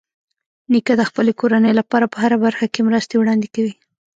نیکه د خپلې کورنۍ لپاره په هره برخه کې مرستې وړاندې کوي.